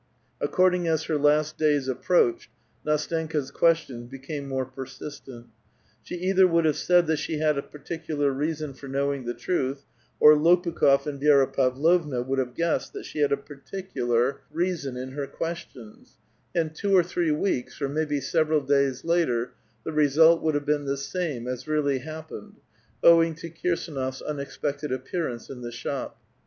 According as her last days approached, Ndstenka's questions became more persistent ; she either would have said that she had a particular reason for knowing the tmth, or Lopnkh6f and Vi6ra Pavlovna would have guessed that she had a particular 220 A VITAL QUESTION. reason in her questions, and two or three weeks, or maybe several days later, the result would have been the same as really happeneil, owing to Kirs&nof s unexpected appearance in the shop.